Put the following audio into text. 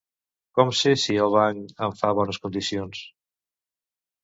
Com sé si el banc em fa bones condicions?